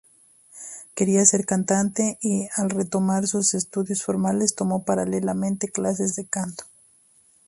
Quería ser cantante y, al retomar sus estudios formales, tomó paralelamente clases de canto.